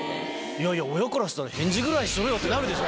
いやいや親からしたら「返事ぐらいしろよ！」ってなるでしょ。